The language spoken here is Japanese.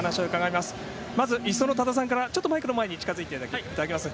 まず１走の多田さんからちょっとマイクの前に近付いていただけますか。